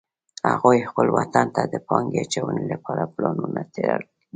هغوی خپل وطن ته د پانګې اچونې لپاره پلانونه تیار وی